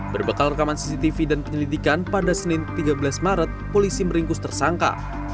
berbekal rekaman cctv dan penyelidikan pada senin tiga belas maret polisi meringkus tersangka